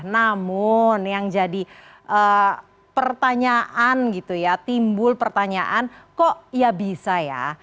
namun yang jadi pertanyaan gitu ya timbul pertanyaan kok ya bisa ya